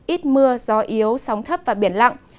ít mưa gió yếu sóng thấp và biển lặng